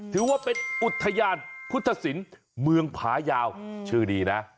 ถือว่าเป็นอุทยานพุทธศิลป์เมืองพายาวชื่อดีนะ